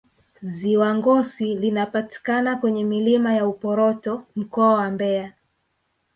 Ziwa Ngosi linapatikana kwenye milima ya Uporoto Mkoa wa Mbeya